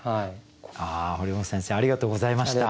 堀本先生ありがとうございました。